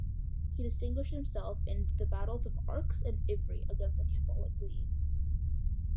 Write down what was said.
He distinguished himself in the battles of Arques and Ivry against the Catholic League.